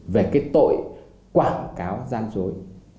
về cái tội quảng cáo gian dối